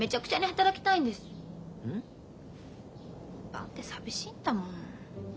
だって寂しいんだもん。